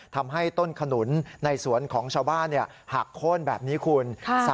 ทำให้ต้นขนุนในสวนของชาวบ้านหักโค้นแบบนี้คุณ